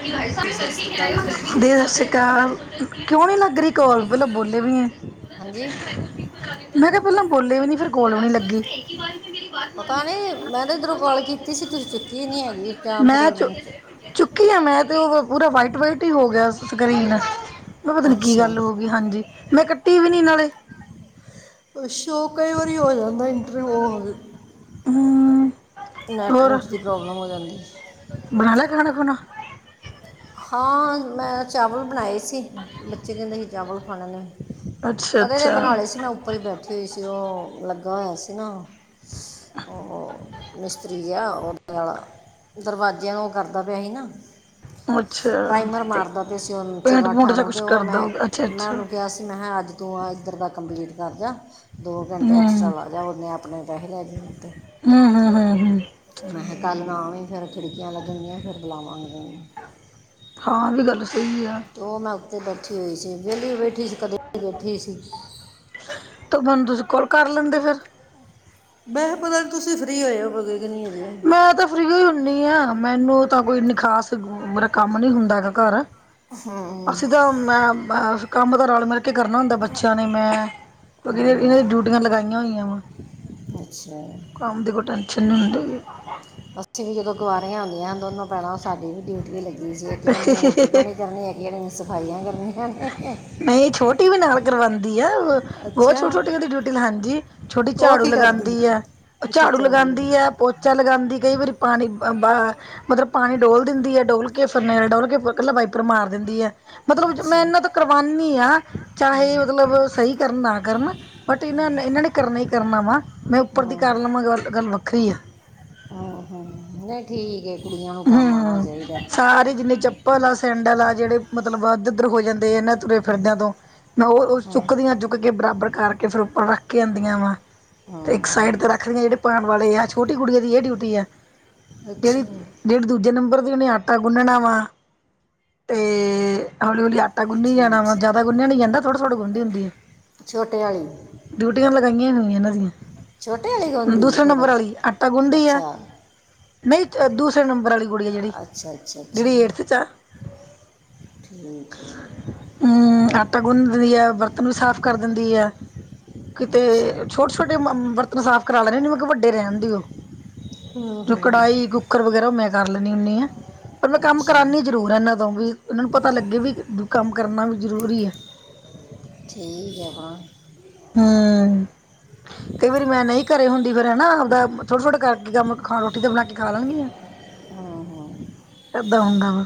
ਦੀ ਜੀ ਸ੍ਰੀ ਅਕਾਲ ਜੀ ਸਤਿ ਸ੍ਰੀ ਅਕਾਲ ਕਿਉਂ ਨੀ ਲੱਗ ਰਹੀ ਕੋਲ ਮੈਂ ਤਾਂ ਬੋਲੇ ਵੀ ਐ। ਹਾਂਜੀ, ਮੈਂ ਕਿਹਾ ਪਹਿਲਾਂ ਬੋਲੇ ਵੀ ਨੀ ਫੇਰ ਕੋਲ ਵੀ ਨੀ ਲੱਗੀ। ਪਤਾ ਨਹੀਂ ਮੈਂ ਤਾਂ ਇੱਧਰੋਂ ਕਾਲ ਕੀਤੀ ਸੀ ਤਸੀ ਚੁੱਕੀ ਨਹੀਂ ਹੈਗੀ ਜਾਂ ਫਿਰ ਉਹਨ ਕੀ ਆ ਮੈਂ ਤੇ ਉਹ ਪੂਰਾ ਵਾਈਟ ਵਾਈਟ ਹੀ ਹੋ ਗਿਆ ਸਕਰੀਨ ਮੈਂ ਪਤਾ ਨ ਕੀ ਅੱਛਾ ਗੱਲ ਹੋ ਗਈ ਹਾਂਜੀ। ਮੈਂ ਕੱਟੀ ਵੀ ਨੀ ਨਾਲੇ। ਸ਼ੋ ਕਈ ਵਾਰੀ ਹੋ ਜਾਂਦਾ ਇੰਟਰ ਹੋਲ ਹੂੰ, ਨੈੱਟਵਰਕ ਦੀ ਪ੍ਰੋਬਲਮ ਹੋ ਜਾਂਦੀ। ਬਣਾ ਲਿਆ ਖਾਣਾ ਖੁਣਾ, ਹਾਂ, ਮੈਂ ਚਾਵਲ ਬਣਾਏ ਸੀ ਬੱਚੇ ਕਹਿੰਦੇ ਸੀ, ਅੱਛਾ ਕਦੇ ਦੇ ਅੱਛਾ ਬਣਾਲੇ ਸੀ ਮੈਂ ਉੱਪਰ ਹੀ ਬੈਠੀ ਹੋਈ ਸੀ ਉਹ ਲੱਗਾ ਹੋਇਆ ਸੀ ਨਾ, ਉਹ, ਮਿਸਤਰੀ ਜਾ ਉਹਦੇ ਵਾਲਾ, ਦਰਵਾਜ਼ਿਆਂ ਨੂੰ ਉਹ ਕਰਦਾ ਪਿਆ ਸੀ ਨਾ, ਅੱਛਾ ਪ੍ਰਾਈਮਰ ਤੇ ਮਾਰਦਾ ਪਿਆ ਸੀ ਉਹਨੂੰ ਪੇਂਟ ਪੂੰਟ ਚੁਗਾਠਾਂ ਜਾਂ ਨੂੰ ਕੁਛ ਤੇ ਉਹ ਕਰਦਾ ਮੈਂ, ਹੋਊਗਾ ਅੱਛਾ ਮੈਂ ਅੱਛਾ ਉਹਨੂੰ ਕਿਹਾ ਸੀ ਮੈਂ ਅੱਜ ਦੋ ਇੱਧਰ ਦਾ ਕੰਪਲੀਟ ਕਰ ਜਾ ਦੋ ਘੰਟੇ ਹਮ ਐਕਸਟਰਾ ਲਾ ਜਾ ਉਹਨੇ ਆਪਣੇ ਪੈਸੇ ਲੈ ਕੇ ਦਿੱਤੇ, ਹੂੰ, ਹੂੰ, ਹੂੰ ਹੂੰ। ਮੈਂ ਕਿ [unintelligible] ਆ ਫਿਰ ਖਿੜਕੀਆਂ ਲੱਗਣੀਆਂ ਫਿਰ ਬਲਾਮਾਗੇ, ਹਾਂ, ਵੀ ਗੱਲ ਸਹੀ ਆ। ਉਹ ਮੈਂ ਉੱਤੇ ਬੈਠੀ ਹੋਈ ਸੀ ਵਿਹਲੀ ਬੈਠੀ ਸੀ ਕਦੇ ਬੈਠੀ ਸੀ। ਤੇ ਮੈਨੂੰ ਤੁਸੀਂ ਕੋਲ ਕਰ ਲੈਂਦੇ ਫੇਰ। ਮੈਂ ਕਿਹਾ ਪਤਾ ਨੀ ਤੁਸੀ ਫਰੀ ਹੋਏ ਹੋਵੋਗੇ। ਮੈਂ ਤੇ ਫਰੀ ਓਈ ਹੁੰਨੀਆਂ, ਮੈਨੂੰ ਤਾਂ ਕੋਈ ਇੰਨੀ ਖਾਸ ਮੇਰਾ ਕੰਮ ਨੀ ਹੁੰਦਾ ਹੈਗਾ ਘਰ। ਹਾਂ ਅਸੀ ਤਾਂ ਮ ਮੈਂ ਕੰਮ ਤਾਂ ਰਲ ਮਿਲ ਕੇ ਕਰਨਾ ਹੁੰਦਾ ਬੱਚੇਆਂ ਨੇ ਮੈਂ ਕਿਉਂਕਿ ਹਾਂ ਹਾਂ ਇਹਨਾਂ ਦੀ ਡਿਊਟੀਆਂ ਲਗਾਈਆਂ ਹੋਈਆਂ ਵਾ। ਅੱਛਾ। ਕੰਮ [unintelligible] ਅਸੀਂ ਵੀ ਜਦੋਂ ਕੁਵਾਰੀਆਂ ਹੁਦੀਆਂ ਦੋਨੋ ਭੈਣਾਂ ਸਾਡੀ ਵੀ ਡਿਊਟੀ ਟੀ ਲੱਗੀ ਸੀ ਇੱਕ ਜਾਣੀ ਨੇ ਰੋਟੀ ਹੁੰਦੀ ਪਾਣੀ ਕਰਨੀ ਇੱਕ ਜਾਣੀ ਨੇ ਸਫਾਈਆਂ ਕਰਨੀਆਂ ਨੇ। ਨਹੀਂ ਛੋਟੀ ਵੀ ਨਾਲ, ਕਰਵਾਉਂਦੀ ਹੈ ਬਹੁਤ ਅੱਛਾ ਛੋਟੀ ਛੋਟੀਆਂ ਦੀ ਡਿਊਟੀ ਹਾਂਜੀ ਛੋਟੀ ਉਹ ਝਾੜੂ ਕੀ ਕਰਦੀ ਲਗਾਉਂਦੀ ਹੈ। ਝਾੜੂ ਲਗਾਉਂਦੀ ਹੈ ਪੋਚਾ ਲਗਾਉਂਦੀ ਕਈ ਵਾਰੀ ਪਾਣੀ ਬ ਮਤਲਬ ਪਾਣੀ ਡੋਲ੍ਹ ਦਿੰਦੀ ਹੈ ਡੋਲ ਕੇ ਫਰਨੈਲ ਡੋਲ ਕੇ ਕੱਲਾ ਵਾਈਪਰ ਮਾਰ ਦਿੰਦੀ ਹੈ, ਮਤਲਬ ਮੈਂ ਅੱਛਾ ਇਹਨਾਂ ਤੋਂ ਕਰਵਾਉਦੀ ਆ ਚਾਹੇ ਮਤਲਬ ਸਹੀ ਕਰਨ ਨਾ ਕਰਨ, ਬਟ ਇਹਨਾਂ ਨੇ ਇਹਨਾਂ ਨੇ ਕਰਨਾ ਹੀ ਕਰਨਾ ਵਾ ਮੈਂ ਉੱਪਰ ਦੀ ਕਰ ਲਵਾਂ ਗੱਲ ਗੱਲ ਵੱਖਰੀ ਆ। ਹੂੰ, ਹੂੰ, ਨਹੀਂ ਠੀਕ ਹੈ ਕੁੜੀਆਂ ਨੂੰ ਕੰਮ ਆਉਣਾ ਚਾਹੀਦਾ। ਭਲਾ ਸੈਂਡਲ ਆ ਜਿਹੜੇ ਮਤਲਬ ਇੱਧਰ ਉੱਧਰ ਹੋ ਜਾਂਦੇ ਆ ਇਹਨਾਂ ਤੁਰੇ ਫਿਰਦਿਆਂ ਤੋਂ, ਮੈਂ ਉਹ ਹਾਂ ਚੁੱਕਦੀਆਂ ਚੁੱਕ ਕੇ ਬਰਾਬਰ ਕਰਕੇ ਫੇਰ ਉੱਪਰ ਰੱਖ ਕੇ ਆਦੀਆਂ ਵਾ। ਹਾਂ ਤੇ ਇੱਕ ਸਾਈਡ ਤੇ ਹਾਂ। ਰੱਖਦੀਆ ਜਿਹੜੇ ਪਾਉਣ ਵਾਲੇ ਹੈ ਛੋਟੀ ਗੁੱਡੀਆ ਦੀ ਇਹ ਡਿਊਟੀ ਹੈ। ਜਿਹੜੀ, ਅੱਛਾ ਜਿਹੜੇ ਦੂਜੇ ਨੰਬਰ ਦੀ ਉਹਨੇ ਆਟਾ ਗੁੰਨਣਾ ਵਾ, ਅਤੇ ਹੌਲੀ ਹੌਲੀ ਆਟਾ ਆਟਾ ਗੁੰਨੀ ਜਾਣਾ ਠੀਕ ਵਾ ਠੀਕ ਜਾਦਾ ਗੁੰਨਿਆ ਨੀ ਜਾਂਦਾ ਥੋੜ੍ਹਾ ਥੋੜ੍ਹੀ ਗੁੰਨਦੀ ਹੁੰਦੀ ਐ। ਛੋਟੇ ਵਾਲੀ ਡਿਊਟੀਆਂ ਲਗਾਈਆਂ ਹੋਈਆਂ ਏਨਾਂ ਛੋਟੇ ਵਾਲੀ ਦੀਆਂ। ਗਾਉਂਦੀ ਦੂਸਰੇ ਥੋੜਾ ਨੰਬਰ ਆਲੀ ਆਟਾ ਗੁੰਨਦੀ ਐ। ਅੱਛਾ ਨਈ ਦੂਸਰੇ ਨੰਬਰ ਵਾਲੀ ਗੁੜੀਆ ਐ, ਜੇੜੀ ਅੱਛਾ ਅੱਛਾ ਅੱਛਾ ਜੇੜੀ ਏਟਥ ਚ ਆ। ਠੀਕ ਠੀਕ ਊ ਆਟਾ ਗੁੰਨ ਦਿੰਦੀ ਐ, ਬਰਤਨ ਵੀ ਸਾਫ਼ ਕਰ ਦਿੰਦੀ ਐ। ਕਿਤੇ ਅੱਛਾ ਛੋਟ ਛੋਟੇ ਬਰਤਨ ਸਾਫ਼ ਕਰਾ ਲੈਣੇ ਮੈਂ ਕੈ ਵੱਡੇ ਰਹਿਣ ਦਿਓ, ਹਾਂ ਜੋ ਹਾਂ ਕੜਾਹੀ ਕੁ ਕੂਕਰ ਵਗੈਰਾ ਓ ਮੈਂ ਕਰ ਲੈਨੀ ਹੁੰਨੀ ਆ, ਪਰ ਮੈਂ ਕੰਮ ਅੱਛਾ ਕਰਾਨੀ ਜ਼ਰੂਰ ਆਂ ਇਹਨਾਂ ਤੋਂ ਵੀ ਇਹਨਾਂ ਨੂੰ ਪਤਾ ਲੱਗੇ ਵੀ ਕੰਮ ਕਰਨਾ ਵੀ ਜ਼ਰੂਰੀ ਐ। ਠੀਕ ਐ, ਹਾਂ। ਹੂੰ। ਕਈ ਵਾਰੀ ਮੈਂ ਨਈ ਘਰੇ ਹੁੰਦੀ ਫੇਰ ਹੈਨਾ ਆਪਦਾ ਥੋੜਾ ਥੋੜਾ ਕਰਕੇ ਕੰਮ ਖ ਰੋਟੀ ਤੇ ਬਣਾ ਕੇ ਖਾ ਲੈਣਗੀਆਂ। ਹਾਂ ਹਾਂ ਐਦਾਂ ਹੁੰਦਾ ਵਾ।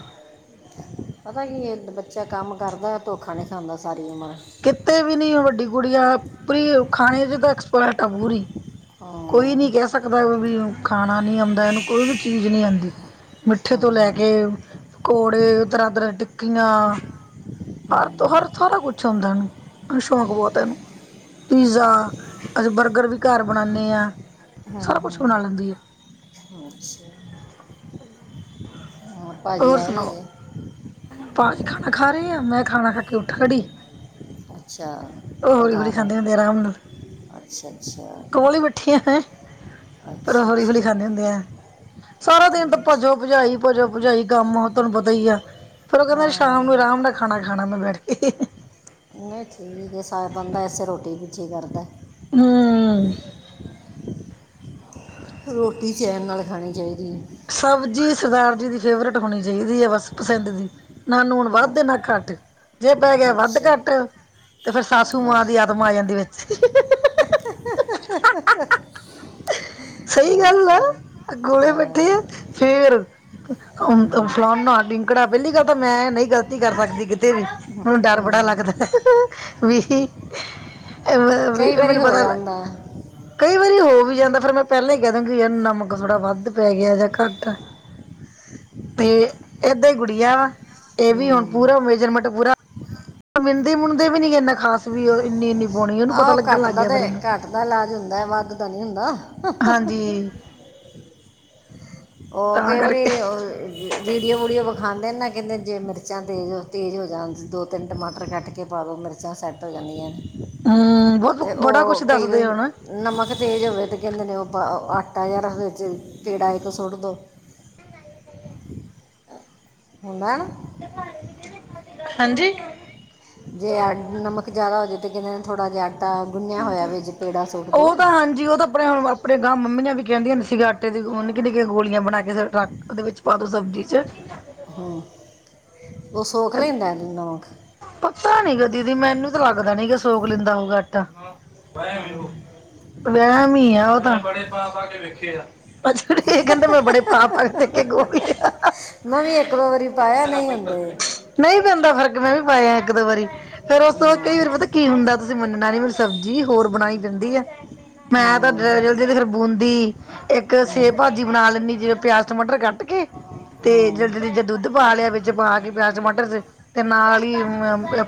ਪਤਾ ਕੀ ਏ ਇੱਕ ਬੱਚਾ ਕੰਮ ਕਰਦਾ ਧੋਖਾ ਨਈ ਖਾਂਦਾ ਸਾਰੀ ਉਮਰ। ਕਿਤੇ ਵੀ ਨੀ ਵੱਡੀ ਗੁੜਿਆ ਪ੍ਰੀ ਖਾਣੇ ਚ ਤਾਂ ਐਕਸਪਰਟ ਆ ਪੂਰੀ। ਹਾਂ ਕੋਈ ਨੀ ਕਹਿ ਸਕਦਾ ਵੀ ਖਾਣਾ ਨੀ ਆਉਂਦਾ ਏਨੂੰ ਕੋਈ ਵੀ ਚੀਜ਼ ਨੀ ਆਂਦੀ। ਮਿੱਠੇ ਹਾਂ ਤੋਂ ਲੈ ਹਾਂ ਕੇ ਪਕੌੜੇ ਤਰਾਂ ਤਰਾਂ ਦੀ ਟਿੱਕੀਆਂ, ਹਾਂ ਪਰ ਸਾਰਾ ਕੁਛ ਆਂਦਾ ਔਨੂ। ਸ਼ੌਕ ਬੋਤ ਐ ਏਨੂੰ। ਪੀਜ਼ਾ ਅਸੀ ਬਰਗਰ ਵੀ ਘਰ ਬਣਾਂਨੇ ਆਂ, ਹੂੰ ਸਾਰਾ ਹੂੰ ਕੁਛ ਬਣਾ ਲੈਂਦੀ ਐ। ਅੱਛਾ। ਹਾਂ ਭਾਜੀ ਆਏ ਨੀ ਹਜੇ। ਭਾਜੀ ਖਾਣਾ ਖਾ ਰਹੇ ਐ, ਮੈਂ ਖਾਣਾ ਖਾ ਕੇ ਉੱਠ ਖੜੀ। ਅੱਛਾ ਓ ਉਹ ਹੌਲੀ ਹੌਲੀ ਘਰ ਹੈ ਖਾਂਦੇ ਹੁੰਦੇ, ਅਰਾਮ ਨਾਲ। ਅੱਛਾ ਅੱਛਾ। ਥੋੜਾ ਅੱਛਾ ਹੌਲੀ ਹੌਲੀ ਅੱਛਾ ਖਾਂਦੇ ਹੁੰਦੇ ਐ, ਸਾਰਾ ਠੀਕ ਦਿਨ ਤਾਂ ਹੈ ਭਜੋ ਜੀ। ਭਰਜਾਈ ਭਜ ਭਰਜਾਈ ਜੀ ਕੰਮ ਆ, ਤੁਹਾਨੂੰ ਪਤਾ ਈ ਐ। ਓ ਕਹਿੰਦੇ, ਹਾਂ ਸ਼ਾਮ ਨੂੰ ਆਰਾਮ ਨਾਲ ਖਾਣਾ ਖਾਣਾ ਮੈਂ ਬੈਠ ਕੇ। ਨਈ ਠੀਕ ਏ, ਸਾਰਾ ਬੰਦਾ ਏਸੇ ਰੋਟੀ ਪਿਛੇ ਕਰਦਾ। ਹੂੰ ਰੋਟੀ ਟੀ ਚੈਨ ਨਾਲ ਖਾਣੀ ਚਾਹੀਦੀ ਐ। ਸਬਜ਼ੀ ਸਰਦਾਰ ਜੀ ਦੀ ਫੇਵਰੇਟ ਹੋਣੀ ਚਾਹੀਦੀ ਹੈ, ਬਸ ਪਸੰਦ ਦੀ ਨਾ ਨੂਣ ਅ- ਵੱਧ ਨਾ ਘੱਟ, ਜੇ ਪੈ ਗਿਆ ਵੱਧ ਅੱਛਾ ਘੱਟ ਤੇ ਫੇਰ ਸਾਸੂ ਮਾਂ ਦੀ ਬਸ ਆਤਮਾ ਆ ਜਾਂਦੀ ਵਿੱਚ [inaudible] ਸਹੀ ਗੱਲ ਆ। ਅੱਛਾ ਗੋਲੇ ਬੈਠੀ ਐ, ਅ, ਫੇਰ ਕੜਾਬੇ ਦੀ ਗੱਲ ਤਾਂ, ਮੈਂ ਨਹੀਂ ਗਲਤੀ ਕਰ ਬੈਠੀ, ਕਿਤੇ ਵੀ ਮੈਨੂੰ ਡਰ ਬੜਾ ਹੂੰ ਲੱਗਦਾ ਵੀ। ਕਈ ਵਾਰੀ ਮੈਨੂੰ ਹੋ ਪਤਾ ਜਾਂਦਾ ਹੈ। ਕਈ ਵਾਰੀ ਹੋ ਵੀ ਜਾਂਦਾ, ਫੇਰ ਮੈਂ ਪਹਿਲੇ ਈ ਕਹਿ ਦੇਂਦੀ ਏ, ਨਮਕ ਥੋੜਾ ਵੱਧ ਪੈ ਗਿਆ ਯਾਂ ਘੱਟ ਐ। ਤੇ ਏਦਾਂ ਈ ਗੁੜੀਆ ਵਾ, ਏਹ ਵੀ ਹੁਣ ਹੂੰ ਪੂਰਾ ਮੇਜਰਮੈਂਟ ਪੂਰਾ ਮਿਣਦੀ ਮੁਣਦੀ ਵੀ ਨੀ ਇੰਨਾ ਖਾਸ ਵੀ ਓ ਇੰਨੀ ਇੰਨੀ। ਪਾਉਣੀ ਉਹਨੂੰ ਪਤਾ ਆਹੋ ਲੱਗਣ ਘੱਟ ਲੱਗ ਦਾ ਗਿਆ ਤੇ ਫਿਰ ਇਹਨੂੰ ਘੱਟ ਦਾ ਇਲਾਜ ਹੁੰਦਾ, ਵੱਧ ਦਾ ਨੀ ਹੁੰਦਾ। ਹਾਂਜੀ ਓ ਤਾਂ ਕਈ ਵਾਰੀ ਕਰਕੇ ਵੀਡੀਓ ਵੂਡੀਓ ਵਖਾਦੇ ਨੇ ਨਾ, ਕਹਿੰਦੇ ਜੇ ਮਿਰਚਾਂ ਤੇਜ਼ ਤੇਜ਼ ਹੋ ਜਾਂਣ, ਦੋ ਤਿੰਨ ਟਮਾਟਰ ਕੱਟ ਕੇ ਪਾਵੋ ਮਿਰ ਰਚਾਂ ਸੈੱਟ ਹੋ ਜਾਂਦੀਆਂ ਨੇ, ਹੂੰ ਤੇ ਬਹੁਤ ਬੜਾ ਓ ਕੁਛ ਕਈ ਦੱਸਦੇ ਵਾਰੀ ਹੁਣ ਨਮਕ ਤੇਜ਼ ਹੋਵੇ ਤੇ ਕਹਿੰਦੇ ਨੇ, ਉਹ ਆਟਾ ਜ ਰੱਖਦੇ ਪੇੜਾ ਇੱਕ ਸੁੱਟ ਦੋ ਹੁੰਦਾ ਐ ਨਾ ਹਾਂਜੀ ਜੇ ਨਮਕ ਜ਼ਿਆਦਾ ਹੋ ਜਾਵੇ, ਤਾਂ ਕਹਿੰਦੇ ਨੇ ਥੋੜ੍ਹਾ ਜਿਹਾ ਆਟਾ ਗੁੰਨਿਆ ਹੋਇਆ ਵ ਜੇ ਪੇੜਾ ਸੁੱਟ ਦੋ ਉਹ ਤਾਂ ਹਾਂਜੀ ਉਹ ਦਾ ਆਪਣੇ ਆਪਣੇ ਗਾਂ ਮੰਮੀਆਂ ਵੀ ਕਹਿੰਦੀਆਂ ਹੁੰਦੀਆਂ ਸੀ, ਆਟੇ ਦੀ ਨਿੱਕਿਆਂ ਨਿੱਕਿਆਂ ਗੋਲੀਆਂ ਬਣਾ ਕੇ ਰੱਖ ਉਹਦੇ ਵਿੱਚ ਪਾ ਦੋ ਸਬਜ਼ੀ ਚ ਹੂ, ਉਹ ਸੋਖ ਲੈਂਦਾ ਇਹਨੂੰ ਨਮਕ ਪਤਾ ਨੀ ਗ ਦੀਦੀ ਮੈਨੂੰ ਤਾਂ ਲੱਗਦਾ ਨੀ ਗ, ਸੋਕ ਲੈਂਦਾ ਹੋਊਗਾ ਆਟਾ ਹੂੰ ਵਹਿਮ ਈ ਐ, ਉਹ ਤਾਂ ਅੱਛਾ ਜੀ ਏ ਕਹਿੰਦੇ, ਮੈਂ ਬੜੇ ਪਾ ਪਾ ਕੇ ਦੇਖੇ ਐ, ਗੋ ਭੀ ਮੰ ਵੀ ਇੱਕ ਦੋ ਵਾਰੀ ਪਾਇਆ, ਨਹੀਂ ਹੁੰਦੇ ਨਹੀਂ ਪੈਂਦਾ ਫਰਕ, ਮੈਂ ਵੀ ਪਾਇਆ ਇੱਕ ਦੋ ਵਾਰੀ ਫੇਰ ਉਸ ਤੋਂ ਬਾਅਦ ਹੂੰ ਕਈ ਵਾਰੀ ਪਤਾ ਕੀ ਹੁੰਦਾ, ਤੁਸੀਂ ਮੰਨਣਾ ਨਹੀਂ ਮੇਰੀ ਸਬਜ਼ੀ ਹੋਰ ਬਣਾਈ ਪੈਂਦੀ ਹੈ ਮੈਂ ਤਾਂ ਹੂੰ ਜਲਦੀ ਤੇ ਫੇਰ ਬੂੰਦੀ ਇੱਕ ਸੇਬ ਹੂੰ ਭਾਜੀ ਬਣਾ ਲੈਂਦੀ, ਜਿਵੇਂ ਪਿਆਜ ਟਮਾਟਰ ਕੱਟ ਕੇ, ਤੇ ਜਿ ਵਿਚ ਦੁੱਧ ਪਾ ਲਿਆ ਵਿੱਚ ਪਾ ਕੇ ਪਿਆਜ ਟਮਾਟਰ, ਤੇ ਨਾਲ ਹੀ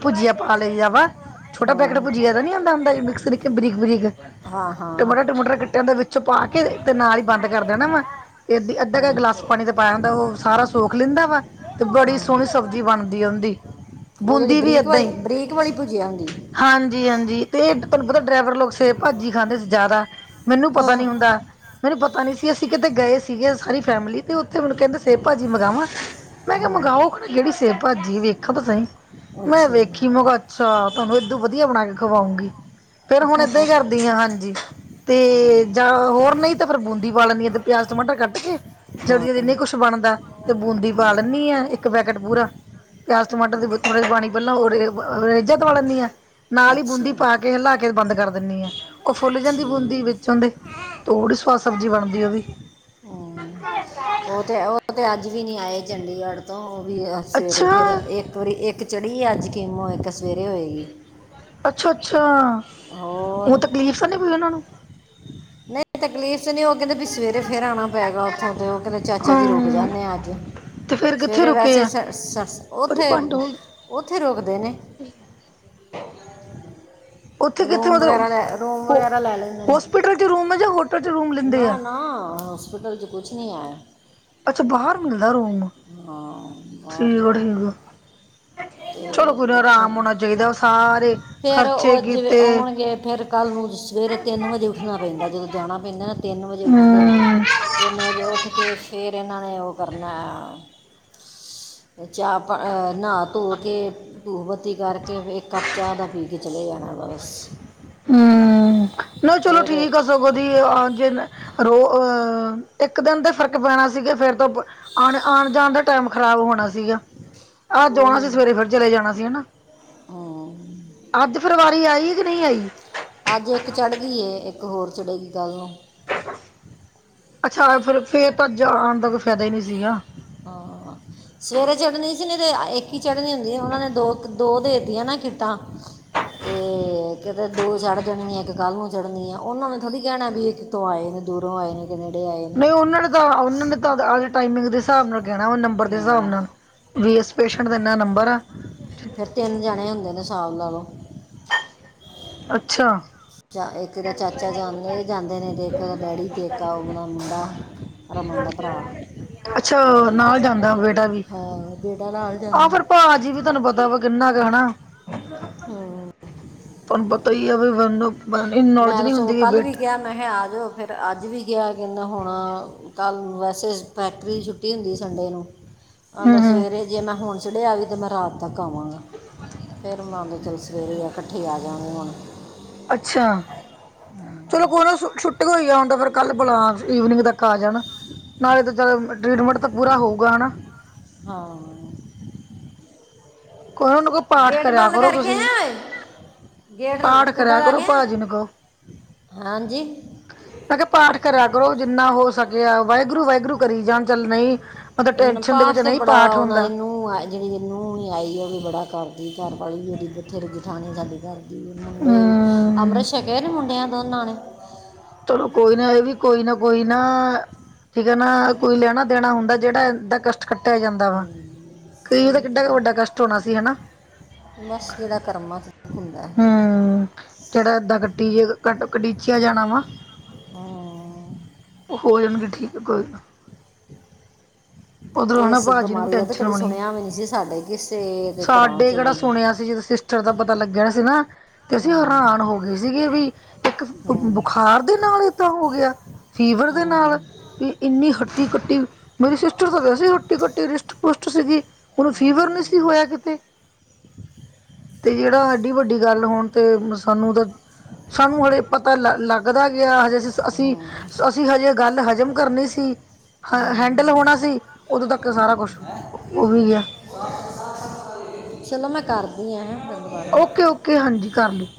ਭੁਜੀਆ ਪਾ ਲਈ ਆ ਵਾ ਹੂੰ ਛੋਟਾ ਪੈਕਟ ਹੂੰ ਭੁਜਿਆ ਦਾ ਨੀ ਆਂਦਾ ਹੂਦਾ ਮਿਕਸ ਬਰੀਕ ਬਰੀਕ, ਹਾਂ ਹਾਂ ਟਮਾਟਰਾ ਟਮੂਟਰ ਕੱਟਿਆ ਦਾ ਪਾ ਕੇ, ਤੇ ਨਾਲ ਹੀ ਬੰਦ ਕਰ ਦੇਣਾ ਵਾ ਤੇ ਅੱਧੀ ਅੱਧਾ ਕ ਹੂੰ ਗਿਲਾਸ ਪਾਣੀ ਤੇ ਪਾਇਆ ਹੁੰਦਾ, ਉਹ ਸਾਰਾ ਸੋਖ ਲੈਂਦਾ ਵਾ ਤੇ ਬੜੀ ਸੋਹਣੀ ਹੂੰ ਸਬਜ਼ੀ ਬਣਦੀ ਉਹਦੀ। ਉਹ ਜਿਹੜੀ ਬੂੰਦੀ ਵੀ ਬਰੀਕ ਏਦਾਂ ਵਾਲੀ ਹੀ ਬਰੀਕ ਵਾਲੀ ਭੁਜੀਆਂ ਹੁੰਦੀ। ਹਾਂਜੀ ਹਾਂਜੀ, ਤੇ ਤੁਹਾਨੂੰ ਪਤਾ ਡਰਾਈਵਰ ਲੋਕ ਸੇ ਭਾਜੀ ਖਾਂਦੇ ਸੀ ਜ਼ਿਆਦਾ। ਮੈਨੂੰ ਪਤਾ ਹਾਂ ਨੀ ਹੁੰਦਾ। ਮੈਨੂੰ ਪਤਾ ਨੀ ਸੀ ਅਸੀਂ ਕਿਤੇ ਗਏ ਸੀਗੇ ਸਾਰੀ ਫੈਮਿਲੀ ਤੇ ਉੱਥੇ ਮੈਨੂੰ ਕਹਿੰਦੇ ਸਬ ਭਾਜੀ ਮੰਗਾਵਾਵਾਂ। ਮੈਂ ਕਿਹਾ ਹਾਂ ਮੰਗਾਓ ਕਿਹੜੀ ਸੇਬ ਭਾਜੀ ਵੇਖੋ ਤਾਂ, ਮੈਂ ਅੱਛਾ ਵੇਖੀ ਮੈਂ ਕਿਹਾ ਅੱਛਾ ਤੁਹਾਨੂੰ ਏਦੋਂ ਵਧੀਆ ਬਣਾ ਕੇ ਖਵਾਉਂਗੀ। ਫੇਰ ਹੁਣ ਏਦਾਂ ਹੀ ਕਰਦੀ ਆ ਹਾਂਜੀ ਤੇ ਜਾਂ ਹੋਰ ਨਹੀਂ ਤੇ ਫਿਰ ਬੂੰੰਦੀ ਪਾ ਲੈਣੀ ਆ ਪਿਆਜ ਟਮਾਟਰ ਕੱਟ ਕੇ। ਜਦੋਂ ਹਾਂ ਜਦ ਨਹੀਂ ਕੁਛ ਬਣਦਾ ਤੇ ਬੂੰਦੀ ਪਾ ਲੈਣੀ ਆ ਇੱਕ ਪੈਕੇਟ ਪੂਰਾ। ਪਿਆਜ ਟਮਾਟਰ ਥੋੜੇ ਜੇ ਪਾਣੀ ਪਹਿਲਾਂ ਉਹ ਰੇਜਾ ਦਵਾ ਲੈਂਦੀ ਆ ਨਾਲ ਹੀ ਅੱਛਾ ਬੂੰਦੀ ਪਾ ਕੇ ਹਿਲਾ ਕੇ ਬੰਦ ਕਰ ਦਿੰਦੀ ਆ ਓ ਫੁੱਲ ਜਾਂਦੀ ਬੂੰਦੀ ਠੀਕ ਵਿੱਚੋਂ ਦੇ ਤੇ ਬੜੀ ਸਵਾਦ ਸਬਜ਼ੀ ਬਣਦੀ। ਉਹਦੀ ਹੂੰ, ਉਹ ਤੇ ਉਹ ਤੇ ਅੱਜ ਵੀ ਨੀ ਆਏ ਚੰਡੀਗੜ੍ਹ ਤੋਂ ਉਹ ਵੀ ਸਵੇਰੇ ਫਿਰ ਅੱਛਾ, ਇੱਕ ਵਾਰੀ ਇੱਕ ਚੜੀ ਅੱਜ ਕਿਮੋ ਇੱਕ ਸਵੇਰੇ ਹੋਏਗੀ। ਅੱਛਾ-ਅੱਛਾ! ਹੋਰ ਉਹ ਤਕਲੀਫ਼ ਤਾਂ ਨਹੀਂ ਕੋਈ ਉਹਨਾਂ ਨੂੰ। ਨਹੀਂ ਤਕਲੀਫ਼ ਨਹੀਂ ਕਹਿੰਦੇ ਵੀ ਸਵੇਰੇ ਫੇਰ ਆਣਾ ਪਏਗਾ। ਉੱਥੋਂ ਤੇ ਉਹ ਕਹਿੰਦੇ ਚਾਚਾ ਜੀ ਰੁੱਕ ਹਾਂ ਜਾਂਦੇ ਅੱਜ ਤੇ ਫੇਰ ਕਿੱਥੇ ਸਵੇਰੇ ਰੁਕੇ ਵੈਸੇ ਆ ਸ-ਸ, ਪਰੇ ਭੰਡ ਉੱਥੇ-ਉੱਥੇ ਰੋਕਦੇ ਨੇ। [unintelligible] ਉੱਥੇ ਕਿੱਥੇ ਰੂਮ ਵਗੈਰਾ ਮਤਲਬ ਲੈ ਰੂਮ ਹੋ ਵਗੈਰਾ ਲੈ ਹੋਸਪਿਟਲ ਚ ਰੂਮ ਜਾਂ ਹੋ ਨਾ-ਨਾ ਹਸਪਿਟਲ 'ਚ ਕੁੱਛ ਨਹੀਂ ਹੈ। ਅੱਛਾ ਬਾਹਰ ਮਿਲਦਾ ਰੂਮ ਹਾਂ, ਬਾਹਰ ਠੀਕ ਆ ਠੀਕ। ਤੇ ਚਲੋ ਕੋਈ ਨਾ ਉੱਥੇ ਆਰਾਮ ਹੋਣਾ ਚਾਹੀਦਾ ਸਾਰੇ ਫਿਰ ਖ਼ਰਚੇ ਉਹ ਜਿਵੇਂ ਕੀਤੇ ਆਉਣਗੇ ਫਿਰ ਕੱਲ ਨੂੰ ਸਵੇਰੇ ਤਿੰਨ ਵਜੇ ਉੱਠਣਾ ਪੈਂਦਾ ਜਦੋਂ ਜਾਣਾ ਪੈਂਦਾ ਨਾ ਤਿੰਨ ਵਜੇ ਉੱਠਦੇ ਨੇ ਹਮ ਤਿੰਨ ਵਜੇ ਉੱਠ ਕੇ ਫਿਰ ਇਹਨਾਂ ਨੇ ਉਹ ਕਰਨਾ ਚਾਹ ਨਹਾ ਧੋ ਕੇ ਧੂਫ ਬੱਤੀ ਕਰਕੇ ਇੱਕ ਕੱਪ ਚਾਹ ਦਾ ਪੀ ਕੇ। ਚਲੇ ਜਾਣਾ ਬਸ ਹੂੰ, ਨਹੀਂ ਚਲੋ ਫਿਰ ਠੀਕ ਆ ਸਗੋਂ ਦੀ ਰੋ ਅਹ ਇੱਕ ਦਿਨ ਤੇ ਫ਼ਰਕ ਪੈਣਾ ਸੀਗਾ ਫੇਰ ਤੋਂ ਆ ਆਣ ਜਾਣ ਦਾ ਟਾਈਮ ਖ਼ਰਾਬ ਹੋਣਾ ਸੀਗਾ ਅੱਜ ਆਉਣਾ ਉਹੀ ਸੀ ਸਵੇਰੇ ਫਿਰ ਚਲੇ ਜਾਣਾ ਸੀ ਹਨਾ ਹਮ, ਅੱਜ ਫਿਰ ਵਾਰੀ ਆਈ ਕਿ ਨਹੀਂ ਆਈ। ਅੱਜ ਇੱਕ ਚੜ੍ਹ ਗਈ ਇੱਕ ਹੋਰ ਚੜ੍ਹੇਗੀ ਕੱਲ੍ਹ ਨੂੰ। ਅੱਛਾ! ਫੇਰ-ਫੇਰ ਤਾਂ ਜਾਣ ਦਾ ਕੋਈ ਫਾਇਦਾ ਹੀ ਨਹੀ ਸੀਗਾ। ਹਾਂ, ਸਵੇਰੇ ਚੜ੍ਹਨੀ ਸੀ। ਨਹੀਂ ਤੇ ਇੱਕ ਹੀ ਚੜ੍ਹਨੀ ਹੁੰਦੀ। ਉਹਨਾਂ ਨੇ ਦੋ-ਦੋ ਦੇ ਤੀਆਂ ਨਾ ਕਿੱਟਾਂ ਤੇ ਕਿਤੇ ਦੋ ਚੜ੍ਹ ਜਾਣੀ ਇੱਕ ਕੱਲ੍ਹ ਨੂੰ ਚੜਨੀ ਐ। ਉਹਨਾਂ ਨੇ ਥੋੜ੍ਹੀ ਕਹਿਣਾ ਵੀ ਇੱਕ ਤੋਂ ਆਏ ਨੇ ਦੂਰੋਂ ਆਏ ਨੇ। ਕੇ ਨੇੜੇ ਆਏ ਨੇ। ਨਹੀ, ਉਹਨਾਂ ਨੇ ਤਾਂ ਉਹਨਾਂ ਨੇ ਤਾਂ ਟਾਇਮੀਗ ਦੇ ਹਿਸਾਬ ਨਾਲ ਕਹਿਣਾ ਨੰਬਰ ਦੇ ਹਿਸਾਬ ਹਾਂ ਨਾਲ ਵੀ, ਪੇਸ਼ੈਂਟ ਦਾ ਇੰਨਾ ਨੰਬਰ ਆ। ਫੇਰ ਤਿੰਨ ਜਣੇ ਹੁੰਦੇ ਨੇ ਸਾਬ ਲਾ ਲੋ ਅੱਛਾ, ਚਾ ਇੱਕ ਦਾ ਚਾਚਾ ਜਾਂਦੇ ਜਾਂਦੇ ਨੇ ਜੇ ਇੱਕ ਉਹਦਾ ਡੈਡੀ ਤੇ ਕਾ ਉਹਦਾ ਮੁੰਡਾ ਰਮਨ ਦਾ ਭਰਾ ਅੱਛਾ! ਨਾਲ ਜਾਂਦਾ ਬੇਟਾ ਵੀ, ਹਾਂ ਬੇਟਾ ਨਾਲ ਆਹ ਜਾਂਦਾ ਫਿਰ ਭਾਜੀ ਵੀ ਤੁਹਾਨੂੰ ਪਤਾ ਵਾ ਕਿੰਨਾ ਕੁ ਹਣਾ। ਹਾਂ,, ਤੁਹਾਨੂੰ ਪਤਾ ਹੀ ਆ ਵੀ, [unintelligible] ਮੈਨੂੰ ਨੌਲੇਜ ਨੀ ਹੁੰਦੀ ਬੇਟ ਮੈਹਾ ਆਜੋ ਫੇਰ ਅੱਜ ਵੀ ਗਿਆ ਕਹਿੰਦਾ ਹੋਣਾ ਕੱਲ ਵੈਸੇ ਫੈਕਟਰੀ ਦੀ ਛੁੱਟੀ ਹੁੰਦੀ ਸੰਡੇ ਨੂੰ, ਹੂੰ ਆਂਦਾ ਹੂੰ ਸਵੇਰੇ ਜੇ ਮੈਂ ਹੁਣ ਚੜਿਆ ਵੀ ਤਾਂ ਮੈਂ ਰਾਤ ਤੱਕ ਆਵਾਂਗਾ। ਫਿਰ ਮੰਨ ਚ ਚਲ ਸਵੇਰੇ ਆ ਇਕੱਠੇ ਆਜਾਗੇ ਹੁਣ ਅੱਛਾ, ਚਲੋ ਕੋ ਨਾ ਸ ਛੁੱਟੀ ਹੋਈ ਆ ਹੁਣ ਤਾਂ ਫਿਰ ਕੱਲ ਬੁਲਾਵ ਇਵਨਿੰਗ ਦਾ ਆ ਜਾਣਾ, ਨਾਲੇ ਤਾਂ ਚੱਲ ਟਰੀਟਮੈਂਟ ਤਾਂ ਪੂਰਾ ਹੋਊਗਾ ਹਨਾ। ਹਾਂ ਕੋਈ ਉਹਨੂੰ ਕਹੋ ਪਾਠ ਗੇਟ ਕਰਿਆ ਬੰਦ ਕਰੋ ਕਰਕੇ ਤੁਸੀਂ ਆਇਆਂ ਓਏ? ਗੇਟ ਪਾਠ ਨ ਕੁੰਡਾ ਕਰਿਆ ਲ ਕਰੋ ਗਿਆ, ਭਾਜੀ ਨੂੰ ਕਹੋ ਹਾਂਜੀ? ਮੈਂ ਕਿਹਾ ਪਾਠ ਕਰਿਆ ਕਰੋ, ਜਿੰਨਾ ਹੋ ਸਕਿਆ ਵਾਹਿਗੁਰੂ- ਵਾਹਿਗੁਰੂ ਕਰੀ ਜਾਣ ਚੱਲ ਨਹੀ ਪਾਠ ਤੇ ਬੜਾ ਉਹਨਾ ਦੀ ਨੂੰਹ ਐ ਜਿਹੜੀ ਨ ਨੂੰਹ ਨ ਆਈ ਉਹ ਵੀ ਬੜਾ ਕਰਦੀ। ਘਰ ਵਾਲੀ ਵੀ ਜਦੀ ਬੱਠੇ ਜੇਠਾਣੀ ਸਾਡੇ ਘਰ ਮੁੰਡੇ ਵੀ, ਹਮ ਅੰਮ੍ਰਿਤ ਛਕਿਆ ਨਾ ਮੁੰਡਿਆਂ ਦੋਨਾਂ ਨੇ? ਚਲੋ ਕੋਈ ਨਾ ਇਹ ਵੀ ਕੋਈ ਨਾ -ਕੋਈ ਨਾ। ਠੀਕ ਐ ਨਾ, ਕੋਈ ਲੈਣਾ ਦੇਣਾ ਹੁੰਦਾ ਜੇੜਾ ਐ ਦਕ ਕੱਟੇਆ ਜਾਂਦਾ ਵਾ, ਕੀ ਪਤਾ ਉਹੀ ਕਿੱਡਾ ਤੇ ਕ ਵੱਡਾ ਕਸ਼ਟ ਹੋਣਾ ਸੀ ਹਨਾ। ਬਸ ਜੇੜਾ ਕਰਮਾਂ ਚ ਦੂੱ-ਖ ਹੁੰਦਾ ਐ ਜੇੜਾ ਐਦਾਂ ਕੱਟੀ ਜੇਗਾ ਕਡ, ਕਡੀਚਿਆ ਜਾਣਾ ਵਾ ਹਾਂ ਓ ਹੋ ਜਨਗੇ ਠੀਕ ਕੋਈ ਨਾ। [inaudible] [inaudible] ਉਧਰੋਂ ਹਨਾ ਏਸ ਭਾਜੀ ਨੂੰ ਵੀ ਬਮਾਰੀ ਦਾ ਤੇ ਟੈਨਸ਼ਨ ਕਦੇ ਹੋਣੀ ਸੁਣਿਆ ਵੀ ਨੀ ਸੀ ਸਾਡੇ ਕਿਸੇ ਦੇ ਘਰਾਂ ਸਾਡੇ ਚ ਕਿਹੜਾ ਸੁਣਿਆ ਸੀ ਸਿਸਟਰ ਜਦੋਂ ਪਤਾ ਲੱਗੇਆ ਸੀ ਨਾ, ਤੇ ਅਸੀ ਹਾਂ ਹਰਾਣ ਹੋ ਗਏ ਸੀਗੇ ਵੀ, ਇਕ ਬ ਹਾਂ ਬੁਖਾਰ ਦੇ ਨਾਲ ਏਦਾਂ ਹੋ ਗਿਆ? ਫੀਵਰ ਦੇ ਹਾਂ ਨਾਲ। ਏ ਇੰਨੀ ਹੱਟੀ ਕੱਟੀ, ਮੇਰੀ ਸਿਸਟਰ ਤੇ ਵੈੇਸੇ ਹੱਟੀ ਕੱਟੀ ਰਿਸਟ -ਪੁਸ਼ਟ ਸੀਗੀ। ਉਹਨੂੰ ਫੀਵਰ ਨੀ ਹਾਂ ਸੀ ਹੋਇਆ ਕਿਤੇ? ਤੇ ਜਿਹੜਾ ਐਡੀ ਵੱਡੀ ਗੱਲ ਹੋਣ ਤੇ ਸਾਨੂੰ ਦੇ, ਸਾਨੂੰ ਹਲੇੇ ਪਤਾ ਲ ਲੱਗ ਲੱਗਦਾ ਗਿਆ ਹਜੇ ਅਸੀ -ਸ, ਅਸੀ- ਅਸੀ ਹਜੇ ਗੱਲ ਹਜ਼ਮ ਕਰਨੀ ਸੀ। ਹ-ਹ ਹਾਂ ਹੈਂਡਲ ਹੋਣਾ ਸੀ। ਉਦੋਂ ਤੱਕ ਸਾਰਾ ਕੁਛ, ਉਹ ਵੀ ਗਿਆ। ਚਲੋ ਮੈਂ ਕਰਦੀ ਆ, ਹੈਂ ਗਲ ਬਾਤ। ਓਕੇ- ਓਕੇ ਹਾਂਜੀ, ਕਰ ਲਿਓ।